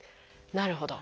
なるほど。